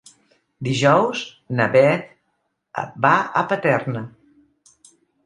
Dijous na Beth va a Paterna.